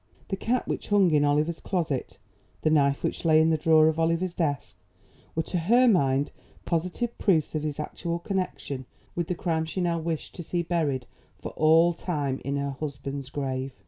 The cap which hung in Oliver's closet the knife which lay in the drawer of Oliver's desk were to her mind positive proofs of his actual connection with the crime she now wished to see buried for all time in her husband's grave.